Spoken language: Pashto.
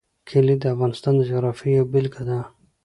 کلي د افغانستان د جغرافیې یوه بېلګه ده.